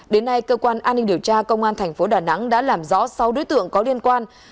đến nay cơ quan an ninh điều tra công an thành phố đà nẵng đã làm rõ sáu đối tượng có liên quan